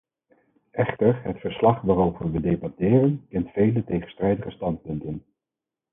Echter, het verslag waarover we debatteren kent vele tegenstrijdige standpunten.